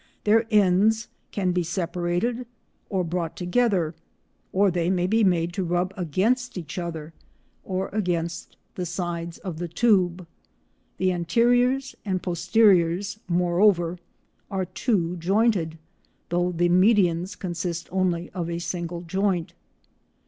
Their ends can be separated or brought together, or they may be made to rub against each other or against the sides of the tube. The anteriors and posteriors, moreover, are two jointed though the medians consist only of a single joint.